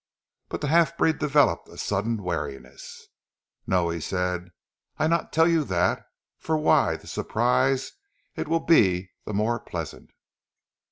But the half breed developed a sudden wariness. "Non!" he said. "I not tell you dat, for why, zee surprise it veel be zee more pleasant!"